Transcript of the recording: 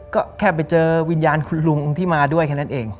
ก็แค่ไปเจอวิญญาณคุณลุงที่มาด้วยแค่นั้นเอง